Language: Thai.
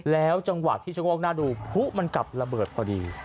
แล้วจังหวะที่ชะโงกหน้าดูพลุมันกลับระเบิดพอดี